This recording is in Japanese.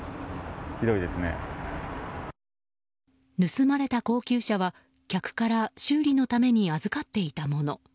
盗まれた高級車は客から修理のために預かっていたもの。